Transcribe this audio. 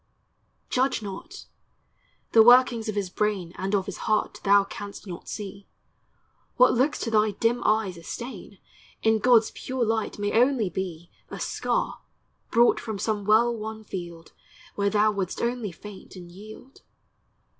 Judge not; the workings of his brain And of his heart thou canst not see; What looks to thy dim eyes a stain, In God's pure light may only be A scar, brought from some well won field, Where thou wouldst only faint and yield.